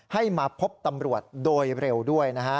ให้มาพบตำรวจโดยเร็วด้วยนะฮะ